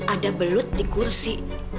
ada belut di gursi